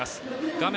画面